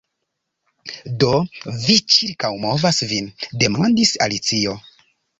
"Do, vi ĉirkaŭmovas vin?" demandis Alicio.